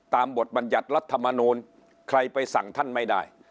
บทบรรยัติรัฐมนูลใครไปสั่งท่านไม่ได้